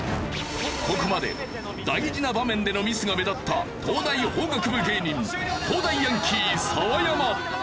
ここまで大事な場面でのミスが目立った東大法学部芸人東大ヤンキー澤山。